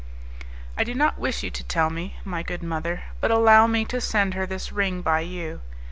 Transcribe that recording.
"I do not wish you to tell me, my good mother, but allow me to send her this ring by you.